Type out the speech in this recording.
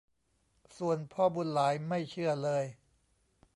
ส่วนพ่อบุญหลายไม่เชื่อเลย